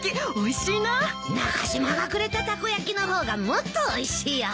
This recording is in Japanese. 中島がくれたたこ焼きの方がもっとおいしいよ。